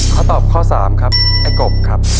ข้อตอบข้อ๓ครับไอ้กบครับ